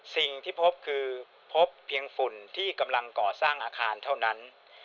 สิ่งที่พบคือพบเพียงฝุ่นที่กำลังก่อสร้างอาคารเท่านั้น